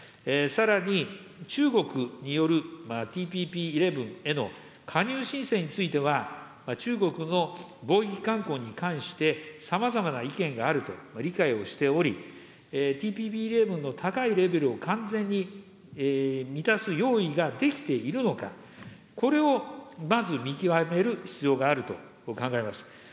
さらに、中国によるＴＰＰ１１への加入申請については、中国の貿易慣行に関してさまざまな意見があると理解をしており、ＴＰＰ１１の高いレベルを完全に満たす用意ができているのか、これをまず見極める必要があると考えます。